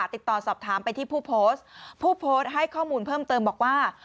ติดต่อสอบถามไปที่ผู้โพสต์ผู้โพสต์ให้ข้อมูลเพิ่มเติมบอกว่า